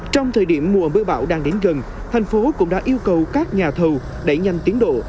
trong thời điểm mùa mưa bão đang đến gần thành phố cũng đã yêu cầu các nhà thầu đẩy nhanh tiến độ